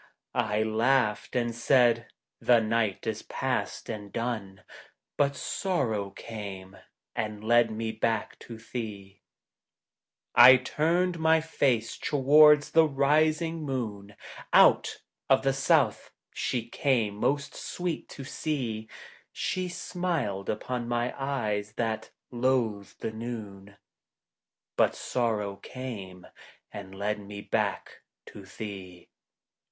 I laughed and said, " The night is past and done "; But Sorrow came and led me back to thee. THE TRAVELLING COMPANION I turned my face towards the rising moon, Out of the south she came most sweet to see, She smiled upon my eyes that loathed the noon ; But Sorrow came and led me back to thee.